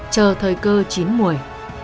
chờ thời cơ chín mùi